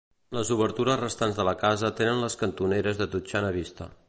Les obertures restants de la casa tenen les cantoneres de totxana vista.